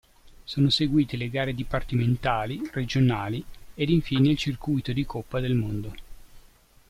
Sono seguite le gare dipartimentali, regionali e infine il circuito di Coppa del mondo.